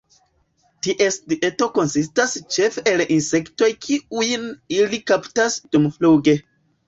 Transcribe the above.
Ties dieto konsistas ĉefe el insektoj kiujn ili kaptas dumfluge.